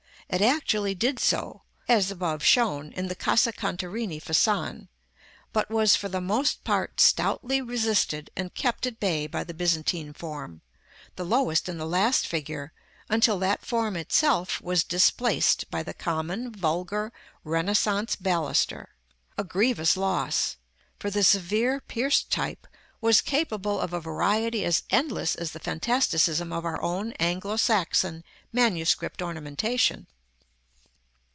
It actually did so, as above shown, in the Casa Contarini Fasan, but was for the most part stoutly resisted and kept at bay by the Byzantine form, the lowest in the last figure, until that form itself was displaced by the common, vulgar, Renaissance baluster; a grievous loss, for the severe pierced type was capable of a variety as endless as the fantasticism of our own Anglo Saxon manuscript ornamentation.